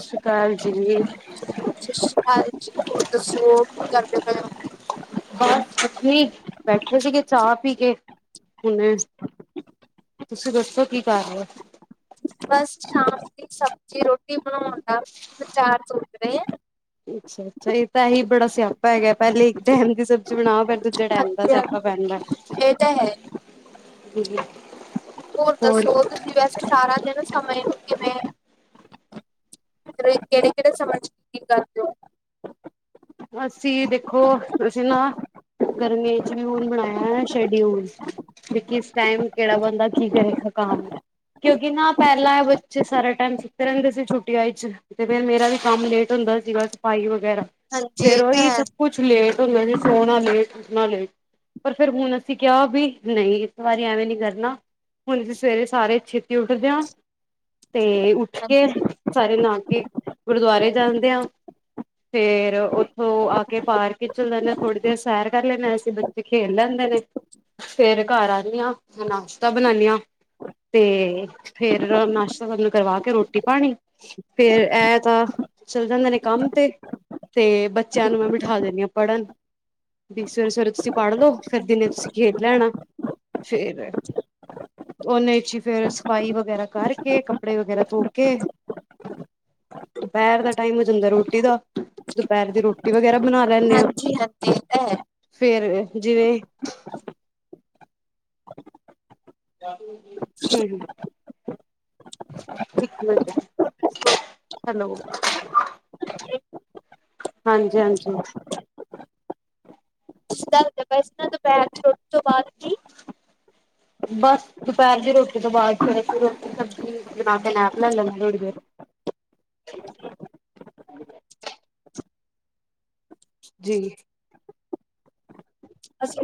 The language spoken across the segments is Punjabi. ਸਤਿ ਸ਼੍ਰੀ ਅਕਾਲ ਜੀ ਹਾਂਜੀ ਹੋਰ ਦੱਸੋ ਉਹ ਕਰਦੇ ਪਏ ਹੋਏ ਕੁਛ ਨੀ ਬੈਠੇ ਸੀਗੇ ਚਾਹ ਪੀ ਕੇ ਹੁਣੇ ਤੁਸੀਂ ਦੱਸੋ ਕੀ ਕਰ ਰਹੇ ਹੋ ਬਸ ਸ਼ਾਮ ਦੀ ਸਬਜ਼ੀ ਰੋਟੀ ਬਣਾਉਣ ਦਾ ਵਿਚਾਰ ਸੋਚ ਰਹੇ ਆ ਅੱਛਾ ਅੱਛਾ ਇਹ ਤਾਂ ਇਹੀ ਬੜਾ ਸਿਆਪਾ ਹੈਗਾ ਪਹਿਲੇ ਇੱਕ ਡੈਮ ਦੀ ਸਬਜ਼ੀ ਬਣਾਓ ਫ ਦੂਜੇ ਡੈਮ ਦਾ ਹਾਂਜੀ ਸਿਆਪਾ ਹਾਂਜੀ ਪ ਪੈਦਾ ਇਹ ਤਾਂ ਹੈ ਪਜ ਹੋਰ ਦੱਸੋ ਤੁਸੀਂ ਵੈਸੇ ਸਾਰਾ ਦਿਨ ਸਮੇਂ ਨੂੰ ਕਿਵੇਂ ਕਿਹੜੇ ਕਿਹੜੇ ਸਮਾਜ ਕੀ ਕਰਦੇ ਹੋ ਅਸੀਂ ਦੇਖੋ ਅਸੀਂ ਨਾ ਗਰਮੀਆਂ ਚ ਵੀ ਹੁਣ ਬਣਾਇਆ ਸ਼ਡਿਊਲ ਦੇਕ ਇਸ ਟਾਈਮ ਕਿਹੜਾ ਬੰਦਾ ਕੀ ਕਰੇਗਾ ਕੰਮ ਕਿਉਂਕਿ ਨਾ ਪਹਿਲਾਂ ਹੈ ਬੱਚੇ ਸਾਰਾ ਟਾਈਮ ਸਿੱਖਦੇ ਰਹਿੰਦੇ ਸੀ ਛੁੱਟੀਆਂ ਚ ਤੇ ਫਿਰ ਮੇਰਾ ਵੀ ਕੰਮ ਲੇਟ ਹੁੰਦਾ ਸੀਗਾ ਸਫਾਈ ਵਗੈਰਾ ਹਾਂਜੀ ਫੇਰ ਇਹ ਤਾਂ ਉਹੀ ਹੈ ਸਭ ਕੁਛ ਲੇਟ ਹੂਦੈ ਵੈ ਜੇ ਸੋਣਾ ਲੇਟ ਉਠਣਾ ਲੇਟ। ਪਰ ਫਿਰ ਹੁਣ ਅਸੀਂ ਕਿਹਾ ਵੀ ਨਹੀਂ ਇਸ ਵਾਰੀ ਐਵੇਂ ਨੀ ਕਰਨਾ। ਹੁਣ ਅਸੀਂ ਸਵੇਰੇ ਸਾਰੇ ਛੇਤੀ ਉੱਠਦੇ ਹਾਂ ਤੇ ਉਠ ਹਾਂਜੀ ਕੇ ਸਾਰੇ ਨਹਾ ਕੇ ਗੁਰਦੁਆਰੇ ਜਾਂਦੇ ਆ ਫੇਰ ਉ ਉਹ ਆ ਕੇ ਪਾਰਕ ਚੱਲ ਜਾਂਦੇ ਥੋੜੀ ਦੇਰ ਸੈਰ ਕਰ ਲੈਂਦੇ ਐਸੀਂ ਬੱਚੇ ਖੇਲ ਲੈਂਦੇ ਨੇ। ਫੇਰ ਘਰ ਆਣੀਆ ਨਾਸ਼ਤਾ ਬਣਾਨੀ ਆਂ ਤੇ ਫੇਰ ਨਾਸ਼ਤਾ-ਪਾਣੀ ਕਰਵਾ ਕੇ ਰੋਟੀ ਪਾਣੀ ਫੇਰ ਇਹ ਤਾਂ ਚੱਲ ਜਾਂਦੇ ਨੇ ਕੰਮ ਤੇ, ਤੇ ਬੱਚਿਆਂ ਨੂੰ ਮੈਂ ਬਿਠਾ ਦਿੰਣੀ ਹਾਂ ਪੜ੍ਹਨ। ਵੀ ਸਵੇਰੇ ਸਵੇਰੇ ਤੁਸੀਂ ਪੜ ਲਓ ਫੇਰ ਦੀਨੇ ਤੁਸੀਂ ਖੇਲ ਲੈਣਾ। ਫੇਰ ਉਹਨੇ ਚ ਫੇਰ ਸਫ਼ਾਈ ਵਗੈਰਾ ਕਰਕੇ ਕੱਪੜੇ ਵਗੈਰਾ ਧੋ ਕੇ ਦੁਪਹਿਰ ਦਾ ਟਾਈਮ ਹੋ ਜਾਂਦਾ ਰੋਟੀ ਦਾ ਦੁਪਹਿਰ ਦੀ ਰੋਟੀ ਵਗੈਰਾ ਬਣਾ ਲੈਂਦੇ ਆਂ। ੀ ਹ ਹੈ [inaudible] ਫੇਰ ਜਿਵੇਂ [inaudible] ਹੂੰ-ਹੂੰ ਇੱਕ ਮਿੰਟ ਤੁਸੀਂ ਹੈਲੋ ਹਾਂਜੀ-ਹਾਂਜੀ। ਪੈਰ ਛੋਟੇ [inaudible] ਦੋਪੁਰ ਦੀ ਰੋਟੀ ਤੋਂ ਬਾਅਦ ਕੀ? ਬਾਸ ਦੁਪਹਿਰ ਦੀ ਰੋਟੀ ਤੋਂ ਬਾਅਦ ਫਿਰ ਰੋਟੀ ਸਬਜ਼ੀ ਬਣਾ ਕੇ ਨੈਪ ਲੈ ਲੈਂਦੇ ਥੋੜੀ ਦੇਰ। ਜੀ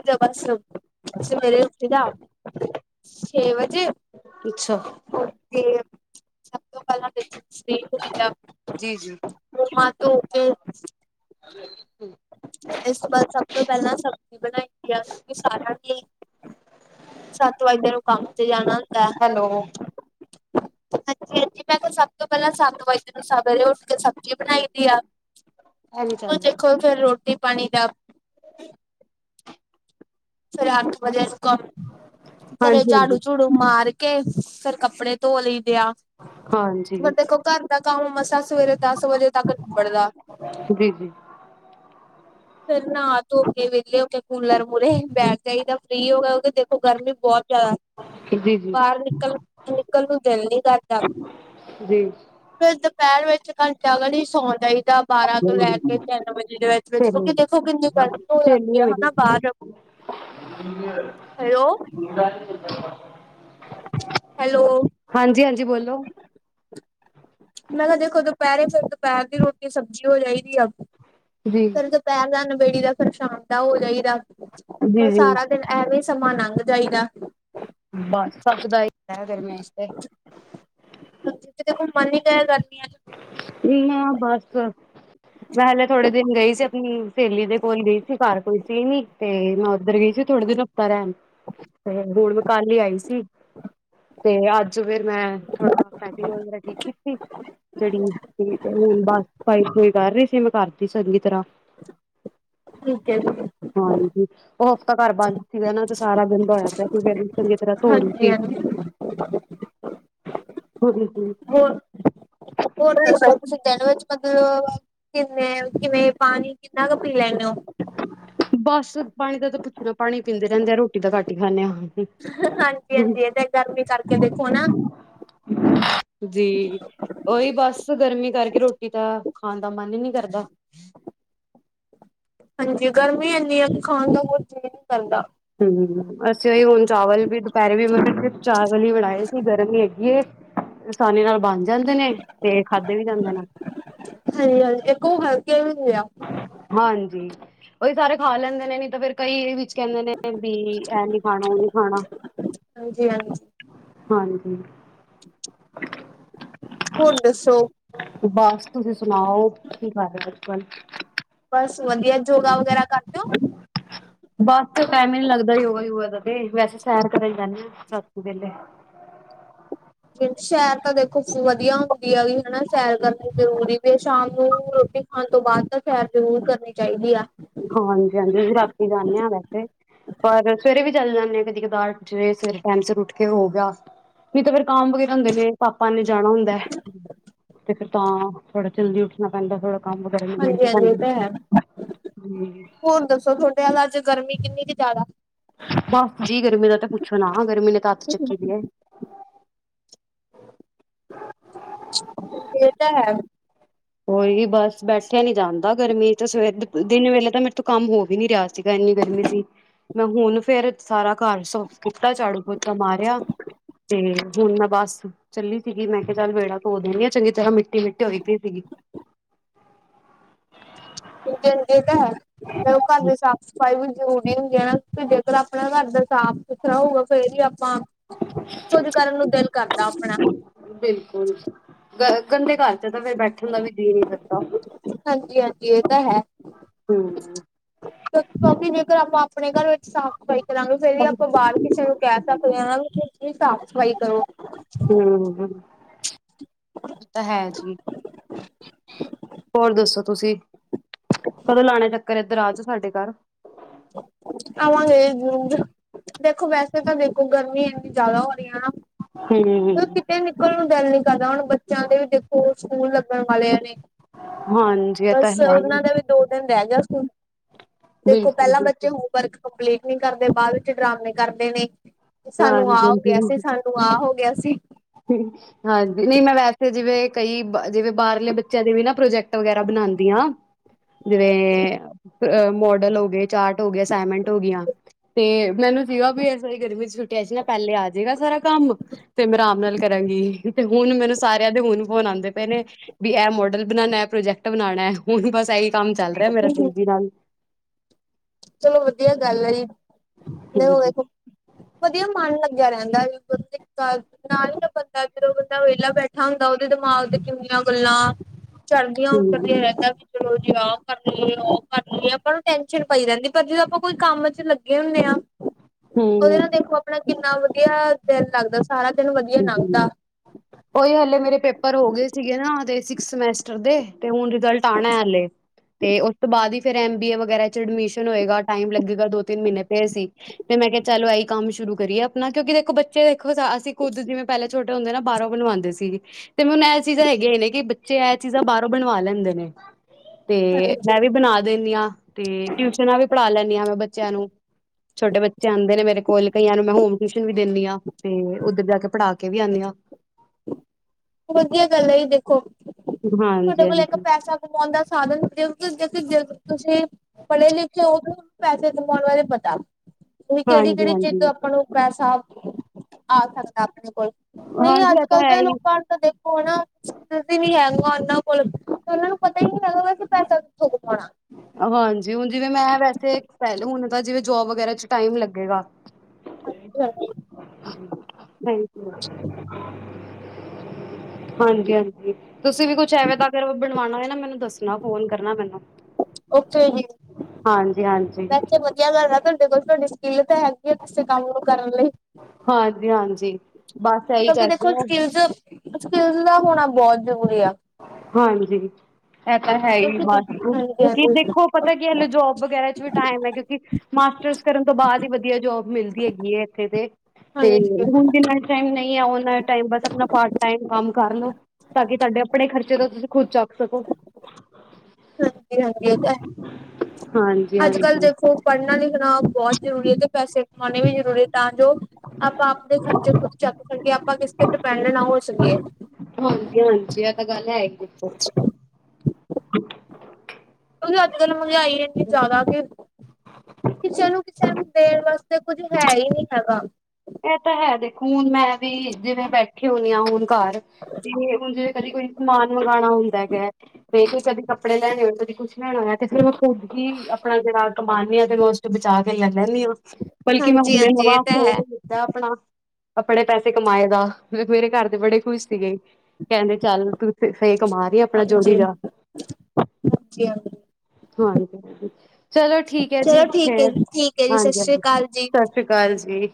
ਦਾ ਬਸ ਸਵੇਰੇ ਉਠੀ ਦਾ ਛੇ ਵਜੇ ਅੱਛਾ ਤੇ [inaudible] ਪ ਜੀ-ਜੀ। ਉਹਓ [inaudible] ਹੁੰ ਇਸ ਤੋਂ ਬਾਅਦ ਸਭ ਤੋਂ ਪਹਿਲਾਂ ਸਬਜ਼ੀ ਬਣਾਈ ਆ ਕਿ ਸਾਰਾ ਦੀ ਸੱਤ ਵੱਜਦੇ ਨੂੰ ਕੰਮ ਤੇ ਜਾਣਾ ਹੁੰਦਾ ਹੈ। ਹੈਲੋ। ਹਾਂਜੀ ਹਾਂਜੀ ਮੈਂ ਕਿਹਾ ਸਭ ਤੋਂ ਪਹਿਲਾਂ ਸੱਤ ਵੱਜ ਤ ਨੂੰ ਸੱਤ ਵੱਜ ਉੱਠ ਕੇ ਸਬਜ਼ੀ ਜੀ, ਬਣਾਈ ਦੀ ਆ ਇਹ ਨੀ ਹੁਣ ਚੱਲ ਰਿਹਾ। ਦੇਖੋ ਫੇਰ ਰੋਟੀ ਪਾਣੀ ਦਾ ਫਰੇ ਅੱ ਵਜੇ ਨੂੰ ਕਮ ਘਰੇ ਹਾਂਜੀ-ਹਾਂਜੀ, ਚਾੜੂ-ਚੂੜੂ ਮਾਰ ਕੇ ਫੇਰ ਕੱਪੜੇ ਧੋ ਲਈ ਦਿਆ। ਹਾਂਜੀ। ਮ ਦੇਖੋ ਘਰ ਦਾ ਕੰਮ ਮਸਾਂ ਸਵੇਰੇ ਦਸ ਵਜੇ ਤੱਕ ਨਿਬੜਦੈ। ਜੀ-ਜੀ। ਫੇਰ ਨਾ ਤੋ ਕੇ ਵਿਲੇ ਹੋਕੇ ਕੁਲਰ ਮੁੁਹਰੇ ਬੈਠ ਜਾਹੀਦਾ ਫ੍ਰਰੀ ਹੋ ਕੇ। ਕਿੳਕੀ ਦੇਖੋ ਗਰਮੀ ਬਹੁਤ ਜਾਦਾ। ਜੀ-ਜੀ। ਜੀ। ਜੀ ਜੀ ਬਾਹਰ ਨਿਕਲ ਨਿਕਲ ਨੂੰ ਦਿਲ ਨਹੀਂ ਕਰਦਾ। ਜੀ ਫੇਰ ਦੁਪਹਿਰ ਵਿੱਚ ਘੰਟਾ ਘੜੀ ਸੌ ਜਾਈਦਾ। ਬਾਰਾਂ ਤੋਂ ਲੈ ਕੇ ਤਿੰਨ ਵਜੇ ਦੇ ਵਿੱਚ ਵਿੱਚ ਸਹੇਲੀ, ਕਿਉਂਕਿ ਦੇਖੋ ਕਿੰਨੀ ਗਰਕ ਹੋ ਜਾਂੱਦੀ ਆ ਹਨਾ ਬਾਹਰ। ਹ [inaudible] ਹੈਲੋ [inaudible] ਹੈਲੋ ਹਾਂਜੀ-ਹਾਂਜੀ ਬੋਲੋ। ਮੈਂ ਕਿਹਾ ਦੇਖੋ ਦੁਪਹਿਰੇ ਫਿਰ ਦੁਪਹਿਰ ਦੀ ਰੋਟੀ ਸਬਜ਼ੀ ਹੋ ਜਾਈਦੀ ਆ। ਜੀ ਫਿਰ ਦੁਪਹਿਰ ਦਾ ਨਬੇੜੀ ਦਾ ਫੇਰ ਸ਼ਾਮ ਦਾ ਹੋ ਜਾਈਦਾ, ਬਸ ਜੀ-ਜੀ। ਸਾਰਾ ਫਿਰ ਐਵੇਂ ਸਮਾਂ ਲੰਘ ਜਾਈਦਾ। ਬਸ ਸਭ ਦਾ ਹੀ ਗਰਮੀਆਂ 'ਚ ਤੇ। ਕਿਤੇ ਘੁੰਮਣ ਨੀ ਕਇਆ ਕਰਦੀਆਂ। ਨ ਬਸ ਮੈਂ ਹਲੇ ਥੋੜੇ ਦਿਨ ਗਈ ਸੀ ਆਪਣੀ ਸਹੇਲੀ ਦੇ ਕੋਲ ਗਈ ਸੀ ਘਰ ਕੋਈ ਸੀ ਨੀ- ਤੇ ਮੈਂ ਉੱਧਰ ਗਈ ਸੀ ਥੋੜੇ ਦਿਨ ਹਫ਼ਤਾ ਰਹਿਣ, ਤੇ ਗੋਲ ਮੈਂ ਕੱਲ ਈ ਆਈ ਸੀ। ਤੇ ਅੱਜ ਫੇਰ ਮੈਂ, ਥੋੜਾ ਪੈਕਿੰਗ ਵਗੈਰਾ ਕੀਤੀ। ਜਿਹੜੀ ਤੇ ਹੁਣ ਬਸ ਸਫਾਈ-ਸਫੂਈ ਕਰ ਰਹੀ ਸੀ ਮੈਂ ਘਰ ਦੀ ਚੰਗੀ ਤਰ੍ਹਾਂ। ਠੀਕ ਐ ਜੀ। ਹਾਂਜੀ। ਉਹ ਹਫ਼ਤਾ ਘਰ ਬੰਦ ਸੀਗਾ ਨਾ ਤੇ ਸਾਰਾ ਦਿਨ ਬੋਇਆ ਪਿਆ ਚੰਗੀ ਤਰ੍ਹਾਂ ਧੋ ਰਹੀ ਹਾਂਜੀ ਸੀ। [unintelligible] ਹੂੰ ਹੋਰ, ਹੋਰ ਦੱਸੋ ਤੁਸੀਂ ਦਿਣ ਵਿੱਚ- ਮਤਲਬ ਕਿੰਨੇ ਕਿਵੇਂ ਪਾਣੀ ਕਿੰਨਾ ਕੁ ਪੀ ਲੈਂਨੇ ਓ? ਬਸ ਪਾਣੀ ਦਾ ਤਾਂ ਪੁੱਛਣਾ ਪਾਣੀ ਪੀਂਦੇ ਰਹਿੰਦੇ ਆ ਰੋਟੀ ਦਾ ਘੱਟ ਹੀ ਖਾਂਨੇ ਆ। ਹਾਂਜੀ ਹਾਂਜੀ ਇਹ ਤਾਂ ਗਰਮੀ ਕਰਕੇ ਦੇਖੋ ਨਾ [unintelligible] ਜੀ ਉਹੀ ਬਸ ਗਰਮੀ ਕਰਕੇ ਰੋਟੀ ਤਾਂ ਖਾਣ ਦਾ ਮਨ ਹੀ ਨੀ ਕਰਦਾ। ਹਾਂਜੀ ਗਰਮੀ ਇੰਨੀ ਆ ਖਾਣ ਦਾ ਕੋ ਜੀ ਨੀ ਕਰਦਾ। ਹੂੰ ਅਸੀਂ ਉਹੀ ਹੁਣ ਚਾਵਲ ਵੀ ਦੁਪਹਿਰੇ ਵੀ ਮਤਲਬ ਚਾਵਲ ਹੀ ਬਣਾਏ ਸੀ ਗਰਮੀ ਹੈਗੀ ਏ। ਆਸਾਨੀ ਨਾਲ ਬਣ ਜਾਂਦੇ ਨੇ, ਤੇ ਖਾਧੇ ਵੀ ਜਾਂਦੇ ਨੇ। ਹਾਂਜੀ-ਹਾਂਜੀ ਇੱਕੋ ਖਾਲ ਕੇ ਆ- ਹਾਂਜੀ, ਉਹੀ ਸਾਰੇ ਖਾ ਲੈਂਦੇ ਨੇ ਨੀ ਤਾਂ ਫਿਰ- ਕਈ ਇਹ ਵਿੱਚ ਕਹਿੰਦੇ ਨੇ ਵੀ ਐ ਨੀ ਖਾਣਾ ਉਹ ਨੀ ਖਾਣਾ। ਹਾਂਜੀ ਹਾਂਜੀ ਹਾਂਜੀ। [inaudible] [inaudible] ਹੁਣ ਦੱਸੋ। ਬਸ ਤੁਸੀਂ ਸੁਣਾਓ, ਕੀ ਰਹੇ ਅੱਜਕੱਲ? ਬਸ ਵਧੀਆ ਯੋਗਾ ਵਗੈਰਾ ਕਰਦੇ ਓ? ਬਸ ਟੈਮ ਹੀ ਨੀ ਲੱਗਦਾ ਯੋਗਾ ਯੋਗਾ ਦਾ ਤੇ ਵੈਸੇ ਸੈਰ ਕਰਨ ਜਾਨੀ ਆ। ਰਾਤੀ ਵੇਲੇ। ਸ਼ਹਿਰ ਤਾਂ ਦੇਖੋ ਵਧੀਆ ਹੁੰਦੀ ਆ ਵੀ ਹਨਾ- ਸੈਰ ਕਰਨੀ ਜ਼ਰੂਰੀ ਵੀ ਆ ਸ਼ਾਮ ਨੂੰ ਰੋਟੀ ਖਾਣ ਤੋਂ ਬਾਅਦ ਤਾਂ ਸੈਰ ਜ਼ਰੂਰ ਕਰਨੀ ਚਾਹੀਦੀ ਆ। ਹਾਂਜੀ-ਹਾਂਜੀ ਅਸੀਂ ਰਾਤੀ ਜਾਂਨੇ ਆ ਵੈਸੇ। ਪਰ ਸਵੇਰੇ ਵੀ ਚੱਲ ਜਾਨੇ ਆ ਕਦੀ ਕਦਾਰ ਜ ਸਵੇਰੇ ਟਾਈਮ ਸਿਰ ਉੱਠ ਕੇ ਹੋ ਗਿਆ। ਨਹੀਂ ਤਾਂ ਫੇਰ ਕਾਮ ਵਗੈਰਾ ਹੁੰਦੇ ਨੇ ਪਾਪਾ ਨੇ ਜਾਣਾ ਹੁੰਦਾ, ਤੇ ਫਿਰ ਤਾਂ, ਥੋੜਾ ਜਲਦੀ ਉੱਠਣਾ ਪੈਂਦਾ ਥੋੜਾ ਕੰਮ ਹਾਂਜੀ-ਹਾਂਜੀ ਇਹ ਤਾਂ ਹੈ। ਹੂੰ ਹੋਰ ਦੱਸੋ ਤੁਹਾਡੇ ਅੱਲ ਅੱਜ ਗਰਮੀ ਕਿੰਨੀ ਕੁ ਜ਼ਿਆਦਾ? ਬਸ ਜੀ ਗਰਮੀ ਦਾ ਤਾਂ ਪੁੱਛੋ ਨਾ ਗਰਮੀ ਨੇ ਅੱਤ ਚੱਕੀ ਪਈ ਹਾਂਜੀ ਏ। ਏ ਤਾ ਹੈ। ਕੋਈ ਬਸ ਬੈਠਿਆ ਨੀ ਜਾਂਦਾ ਗਰਮੀ ਤੇ, ਸਵੇ ਦਿਨ ਵੇਲੇ ਤਾਂ ਮੇਰੇ ਤੋਂ ਕੰਮ ਹੋ ਵੀ ਨੀ ਰਿਹਾ। ਚਾ ਇੰਨੀ ਗਰਮੀ ਸੀ। ਮੈਂ ਹੁਣ ਫੇਰ ਸਾਰਾ ਘਰ ਸੁ ਫੁਟਾ ਝਾੜੂ-ਪੋਚਾ ਮਾਰਿਆ। ਤੇ, ਹੁਣ ਮੈਂ ਬਸ ਚੱਲੀ ਸੀਗੀ, ਮੈਂ ਕਿਹਾ ਚੱਲ ਵੇੜਾ ਧੋ ਦੇਣੀ ਆ ਚੰਗੀ ਤਰ੍ਹਾਂ ਮਿੱਟੀ-ਮਿੱਟੀ ਹੋਈ ਪਈ ਸੀਗੀ। ਦੀ ਤਾਂ ਹੈ, ਮੈਂ ਉਹ ਘਰ ਦੀ ਸਾਫ਼-ਸਫ਼ਾਈ ਵੀ ਨ ਹੁੰਦੀ ਨਾ, ਵੀ ਜੇਕਰ ਆਪਣਾ ਘਰ ਦਾ ਸਾਫ਼-ਸੁਥਰਾ ਹੋਊਗਾ ਫੇਰ ਈ ਆਪਾਂ ਕੁ ਕਰਨ ਨੂੰ ਦਿਲ ਕਰਦਾ ਆਪਣਾ। ਬਿਲਕੁਲ, ਗ ਗੰਦੇ ਘਰ'ਚ ਤਾਂ ਫਿਰ ਬੈਠਣ ਦਾ ਵੀ ਜੀ ਨੀ ਕਰਦਾ। ਹਾਂਜੀ-ਹਾਂਜੀ, ਇਹ ਤਾ ਹੈ। ਹੂੰ ਕਿਉਂਕਿ ਜੇਕਰ ਆਪਾਂ ਆਪਣੇ ਘਰ ਵਿੱਚ ਸਾਫ਼-ਸਫ਼ਾਈ ਕਰਾਂਗੇ, ਫਿਰ ਈ ਆਪਾਂ ਬਾਹਰ ਕਿਸੇ ਨੂੰ ਕਹਿ ਰਖਦੇ ਆ ਨਾ ਵੀ ਤੁਸੀ ਸਾਫ਼-ਸਫ਼ਾਈ ਕਰੋ। ਹੂੰ-ਹੂੰ ਤਾਂ ਹੈ ਜੀ। ਹੋਰ ਦੱਸੋ ਤੁਸੀ, ਕਦੋਂ ਲਾਣਾ ਚੱਕਰ ਇੱਧਰ ਆਜੋ ਸਾਡੇ ਘਰ? ਆਵਾਂਗੇ ਜਰੂਰ। ਦੇਖੋ ਵੈਸੇ ਤਾਂ ਦੇਖੋ, ਗਰਮੀ ਇੰਨੀ ਜ਼ਿਆਦਾ ਹੋ ਰਹੀ ਹੈ ਨਾ ਫਿਰ ਹੂੰ ਕਿਤੇ ਨਿਕਲਣ ਨੂੰ ਗੱਲ ਨੀ ਕਰਦਾ, ਹੁਣ ਬੱਚਿਆਂ ਦੇ ਵੀ ਦੇਖੋ ਸਕੂਲ ਲੱਗਣ ਵਾਲੇ ਐਂਵੇ ਹਾਂਜੀ ਇਹ ਤਾਂ ਬਸ, ਹੈ ਹੀ ਉਹਨਾਂ ਦਾ ਵੀ ਦੋ ਦਿਨ ਰਹਿ ਗਿਆ ਸਕੂਲ ਦੇਖੋ ਬਿਲਕੁਲ ਪਹਿਲਾਂ ਬਿਲਕੁਲ ਬੱਚੇ ਹੋਮਵਰਕ ਕੰਪਲੀਟ ਨਹੀਂ ਕਰਦੇ, ਬਾਅਦ ਵਿੱਚ ਡਰਾਮੇ ਕਰਦੇ ਨੇ। ਸਾਨੂੰ ਆ ਹੋਗਿਆ ਸੀ, ਹਾਂਜੀ-ਹਾਂਜੀ, ਸਾਨੂੰ ਆਹ ਹੋਗਿਆ ਸੀ। ਹਾਂਜੀ, ਨਹੀਂ ਮੈਂ ਵੈਸੇ ਜਿਵੇਂ ਕਈ ਜਿਵੇਂ ਬਾਹਰਲੇ ਬੱਚਿਆਂ ਦੇ ਵੀ ਨਾ ਪ੍ਰੋਜੈਕਟ ਵਗੈਰਾ ਬਣਾਂਦੀਆ ਜਿਵੇਂ ਮੋਡਲ ਹੋਗੇ, ਚਾਰਟ ਹੋਗੇ, ਅਸਾਈਟਮੈਂਟ ਹੋਗੀਆਂ। ਤੇ, ਮੈਨੂੰ ਸੀਗਾ ਵੀ ਇਸ ਵਾਰੀ ਗਰਮੀ'ਚ ਛੁੱਟੀਆ'ਚ ਨਾ ਪਹਿਲੇ ਆਜੇਗਾ ਸਾਰਾ ਕੰਮ, ਤੇ ਮੈਂ ਅਰਾਮ ਨਾਲ ਕਰਾਂਗੀ, ਤੇ ਹੁਣ ਮੈਨੂੰ ਸਾਰਿਆਂ ਦੇ ਹੁਣ ਫੋਨ ਆਂਦੇ ਪਏ ਨੇ। ਵੀ ਐ ਮੋਡਲ ਬਣਾਣਾ, ਐ ਪ੍ਰੋਜੈਕਟ ਬਣਾਣੈ। ਹੁਣ ਵੀ ਬਸ ਐਹੀ ਕੰਮ ਚੱਲ ਰਿਹਾ ਮੇਰਾ, ਤੇਜ਼ੀ ਨਾਲ। ਚਲੋ ਵਧੀਆ ਗੱਲ ਐ ਜੀ, ਹੋਵੇ ਹੂੰ, ਵਧੀਆ ਮਨ ਲੱਗਿਆ ਰਹਿੰਦਾ ਵੀ ਨਾਲ ਈ ਨਾ ਬੰਦਾ, ਜਦੋਂ ਬੰਦਾ ਵਿਹਲਾ ਬੈਠਾ ਹੁੰਦਾ, ਉਹਦੇ ਦਿਮਾਗ ਤੇ ਕਿੰਨੀਆਂ ਗੱਲਾਂ ਚੜਦੀਆਂ-ਉੱਤਰਦੀਆਂ ਰਹਿੰਦਾ ਵੀ ਚਲੋ, ਜੀ ਆਹ ਕਰਲੀਏ, ਉਹ ਕਰਲੀਏ, ਆਪਾਂ ਨੂੰ ਟੈਂਸ਼ਨ ਪਈ ਰਹਿੰਦੀ, ਪਰ ਜਦੋਂ ਆਪਾਂ ਕੋਈ ਕੰਮ'ਚ ਲੱਗੇ ਹੁੰਨੇ ਆ ਉਹਦੇ ਹੂੰ ਨਾਲ ਦੇਖੋ ਆਪਣਾ ਕਿੰਨਾ ਵਧੀਆ ਦਿਲ ਲੱਗਦਾ, ਸਾਰਾ ਦਿਨ ਵਧੀਆ ਲੰਘਦਾ ਓਈ, ਹਲੇ ਮੇਰੇ ਪੇਪਰ ਹੋ ਗਏ ਸੀਗੇ ਨਾ ਤੇ ਸਿਕ੍ਸ ਸਮੈ ਦੇ, ਤੇ ਹੁਣ ਰਿਜਲਟ ਆਣਾ ਹਲੇ, ਤੇ ਉਸ ਤੋਂ ਬਾਅਦ ਈ ਫਿਰ ਐਮ ਬੀ ਏ ਵਗੈਰਾ'ਚ ਐਡਮਿਸ਼ਨ ਹੋਏਗਾ, ਟਾਈਮ ਲੱਗੇਗਾ ਦੋ-ਤਿੰਨ ਮਹੀਨੇ ਫਿਰ ਸੀ। ਤੇ ਮੈਂ ਕਿਹਾ ਚਲ, ਇਹੀ ਕੰਮ ਸ਼ੁਰੂ ਕਰੀਏ‌ ਅਪਨਾ, ਕਿਉਂਕਿ ਦੇ ਇੱਕੋ ਬੱਚੇ ਦੇਖੋ ਅਸੀਂ ਕੁੱਦ ਜਿਵੇਂ ਪਹਿਲੇ ਛੋਟੇ ਹੁੰਦੇ ਨਾ, ਬਾਹਰੋਂ ਬਣਵਾਂਦੇ ਸੀ। ਤੇ ਮੈਂ ਹੁਣ ਐ ਚੀਜ਼ਾਂ ਹੈਗੀਆਂ ਈ ਨੇ, ਕਿ ਬੱਚੇ ਐ ਚੀਜ਼ਾਂ ਬਾਹਰੋਂ ਬਣਵਾ ਲੈਂਦੇ ਨੇ। ਤੇ, ਹਾਂਜੀ ਮੈਂ ਵੀ ਬਣਾ ਦਿੰਨੀ ਆ। ਤੇ ਟਿਊਸ਼ਨਾਂ ਵੀ ਪੜ੍ਹਾ ਲੈਂਦੀ ਹਾਂ, ਮੈਂ ਬੱਚਿਆਂ ਨੂੰ ਛੋਟੇ ਬੱਚੇ ਆਉਂਦੇ ਨੇ ਮੇਰੇ ਕੋਲ ਕਈਆਂ ਨੂੰ ਮੈਂ ਹੋਮ ਟਿਊਸ਼ਨ ਵੀ ਦਿੰਨੀ ਆ, ਤੇ ਉੱਧਰ ਜਾ ਕੇ ਪੜ੍ਹਾ ਕੇ ਵੀ ਆਉਂਦੀ ਹਾਂ ਵਧੀਆ ਗੱਲ ਹੈ ਜ ਦੇਖੋ, ਤੁਹਾਡੇ ਹਾਂਜੀ ਕੋਲ ਹਾਂਜੀ ਇੱਕ ਪੈਸਾ ਕਮਾਉਣ ਦਾ ਸਾਧਨ, ਜਲਦ ਤੋਂ ਜਲਦੀ ਤੁਸੀਂ ਪੜ੍ਹੇ ਲਿਖੇ ਉਹ ਵੀ ਪੈਸੇ ਕਮਾਉਣ ਬਾਰੇ ਪਤਾ, ਵੀ -ਵੀ ਕਿਹੜੀ ਹਾਂਜੀ -ਕਿਹੜੀ ਚੀਜ਼ ਹਾਂਜੀ ਤੋਂ ਆਪਾਂ ਨੂੰ ਪੈਸਾ ਆ ਸਕਦਾ, ਆਪਣੇ ਕੋਲ ਨਹੀਂ ਹਾਂਜੀ ਅੱਜ ਇਹ ਤਾਂ -ਕੱਲ ਹੈ ਦੇ ਹੀ ਲੋਕਾਂ ਤਾਂ ਦੇਖੋ ਹਨ ਨਾ ਤੁਸੀਂ ਵੀ ਹੈਗਾ, ਉਹਨਾਂ ਕੋਲ ਤੇ ਉਹਨਾਂ ਨੂੰ ਪਤਾ ਹੀ ਨਈ ਹੈਗਾ ਪੈਸਾ ਕਿਥੋ ਕਮਾਉਣਾ ਹਾਂਜੀ ਹੁਣ ਜਿਵੇਂ ਮੈਂ ਵੈਸੇ ਪਹਿਲੇ, ਹੁਣ ਤਾਂ ਜਿਵੇਂ ਜੋਬ ਵਗੈਰਾ ਚ ਟਾਈਮ ਲੱਗੇਗਾ ਅੱਛਾ ਜੀ ਸਹੀ ਕਿਆ ਹ [unintelligible] ਹਾਂਜੀ -ਹਾਂਜੀ। ਤੁਸੀਂ ਵੀ ਕੁਛ ਐਵੇ ਤਾਂ ਅਗਰ ਬਣਵਾਉਣਾ ਹੋਏ ਨਾ, ਮੈਨੂੰ ਦੱਸਣਾ ਫੋਨ ਕਰਨਾ ਮੈਨੂੰ ਓਕੇ ਜੀ ਹਾਂਜੀ ਹਾਂਜੀ ਵੈਸੇ ਬਹੁ ਕਿਆ ਕਰਦਾ ਤੁਹਾਡੇ ਕੋਲ ਤੁਹਾਡੀ ਸਕਿੱਲ ਤਾਂ ਹੈਗੀ ਹੈ, ਕਿਸੇ ਕੰਮ ਨੂੰ ਕਰਨ ਲਈ ਹਾਂਜੀ -ਹਾਂਜੀ ਬਸ ਇਹੀ ਕਿਉਂਕਿ ਦੇਖੋ ਕਰਦੇ ਆ ਸਕਿੱਲਜ਼ -ਸਕਿਲਜ ਦਾ ਹੋਣਾ ਬਹੁਤ ਜ਼ਰੂਰੀ ਆ ਹਾਂਜੀ ਇਹ ਤਾਂ ਹੈ, ਹੀ ਕਿਉਂਕਿ ਬਸ ਹਾਂਜੀ ਕਿਉਂਕਿ ਹਾਂਜੀ ਦੇਖੋ ਪਤਾ ਕੀ ਹਲੇ ਜੋਬ ਵਗੈਰਾ ਚ ਵੀ ਟਾਈਮ ਹੈ, ਕਿਉਂਕਿ ਮਾਸਟਰਸ ਕਰਨ ਤੋਂ ਬਾਅਦ ਹੀ ਵਧੀਆ ਜੋਬ ਮਿਲਦੀ ਹੈਗੀ ਹੈ ਇੱਥੇ ਤੇ -ਤੇ ਹਾਂਜੀ ਹੁਣ ਜਿ ਮ ਟਇਮ ਨਹੀਂ ਆ ਉਹ ਟਇਮ ਬਸ ਆਪਣਾ ਪਾਰਟ ਟਾਈਮ ਕੰਮ ਕਰਨ ਨੂੰ ਤਾਂ ਕਿ ਤੁਹਾਡੇ ਆਪਣੇ ਖਰਚੇ ਦਾ ਤੁਸੀਂ ਖੁਦ ਚੱਕ ਸਕੋ ਹਾਂਜੀ- ਹਾਂਜੀ, ਉਹ ਤਾਂ ਹੈ ਅੱਜ -ਕੱਲ੍ਹ ਹਾਂਜੀ-ਹਾਂਜੀ। ਦੇਖੋ ਪੜ੍ਹਨਾ ਲਿਖਣਾ ਬਹੁਤ ਜ਼ਰੂਰੀ ਹੈ ਤੇ ਪੈਸੇ ਕਮਾਉਣੇ ਵੀ ਜ਼ਰੂਰੀ ਹੈ ਤਾਂ ਜੋ ਆਪਾਂ ਆਪਦੇ ਖਰਚੇ ਖੁਦ ਚੱਕ ਸਕੀਏ, ਆਪਾਂ ਕਿਸ ਤੇ ਡਿਪੈਂਡ ਨਾ ਹੋ ਸਕੀਏ ਹਾਂਜੀ- ਹਾਂਜੀ ਇਹ ਤਾਂ ਗੱਲ ਹੈਗੀ ਕਿਉਂਕਿ ਅੱਜ -ਕੱਲ ਮੰਗਿਆਈ ਇੰਨੀ ਜ਼ਿਆਦਾ ਕਿ ਕਿਸੇ ਨੂੰ ਕਿਸੇ ਨੂੰ ਦੇਣ ਵਾਸਤੇ ਕੁੱਝ ਹੈ ਹੀ ਨਹੀਂ ਹੈਗਾ ਇਹ ਤਾਂ ਹੈ ਦੇਖੋ ਹੁਣ ਮੈਂ ਵੀ ਜਿਵੇਂ ਬੈਠੇ ਹੁੰਦੀ ਹਾਂ, ਹੁਣ ਘਰ ਤੇ ਹ ਜੇ ਕਦੀ ਕੋਈ ਸਮਾਨ ਮੰਗਵਾਉਣਾ ਹੁੰਦਾ ਹੈਗਾ ਤੇ ਕਦੇ ਕੱਪੜੇ ਲੈਣੇ ਹੋਏ ਕਦੇ ਕੁਛ ਲੈਣਾ ਹੋਇਆ ਤੇ ਫੇਰ ਮੈਂ ਖੁਦ ਹੀ ਆਪਣਾ ਜਿਹੜਾ ਕਮਾਂਨੀ ਹਾਂ ਤੇ ਮੈਂ ਬਚਾ ਕੇ ਲੈ ਲੈਂਦੀ ਹਾਂ, ਬਲਕਿ ਮੈਂ ਹੁਣੇ ਹਾਂਜੀ-ਹਾਂਜੀ ਇਹ ਨਵਾਂ ਤਾਂ ਉਹ ਹੈ। ਹੋਤਾ ਆਪਣਾ ਆਪਣੇੇ ਪੈਸੇ ਕਮਾਏ ਦਾ ਮੇਰੇ ਘਰ ਦੇ ਬੜੇ ਖੁਸ਼ ਸੀਗੇ ਕਹਿੰਦੇ ਚੱਲ ਤੂੰ ਸਹੀ ਕਮਾ ਰਹੀ ਆਪਣਾ ਜੋਗੀ ਦਾ ਹਾਂਜੀ-ਹਾਂਜੀ-ਹਾਂਜੀ। ਹਾਂਜੀ ਹਾਂਜੀ ਚਲੋ ਠੀਕ ਹੈ ਜੀ ਚਲੋ ਠੀਕ ਹੈ, ਫੇਰ ਠੀਕ ਹੈ ਜੀ ਸਤਿ ਹਾਂਜੀ ਸ੍ਰੀ ਹਾਂਜੀ ਅਕਾਲ ਜੀ। ਸ ਸਤਿ ਸ਼੍ਰੀ ਅਕਾਲ ਜੀ